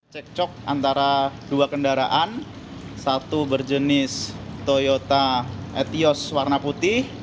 cek cok antara dua kendaraan satu berjenis toyota etios warna putih